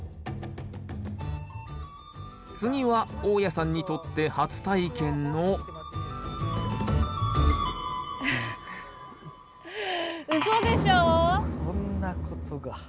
次は大家さんにとって初体験のこんなことが。